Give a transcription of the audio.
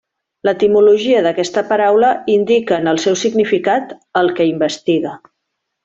L'etimologia d'aquesta paraula indica en el seu significat 'el que investiga'.